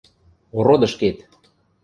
Ородыш кет!